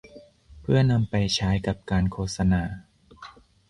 เพื่อนำไปใช้กับการโฆษณา